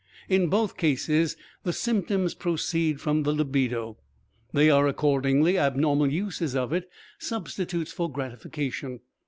In both cases the symptoms proceed from the libido. They are accordingly abnormal uses of it, substitutes for gratification.